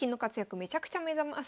めちゃくちゃ目覚ましいんです。